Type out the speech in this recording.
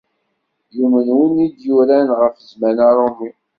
Yumen win i d-yuran ɣef zzman arumi.